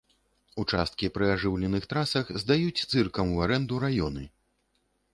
Участкі пры ажыўленых трасах здаюць цыркам у арэнду раёны.